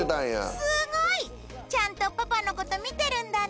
すごい！ちゃんとパパの事見てるんだね。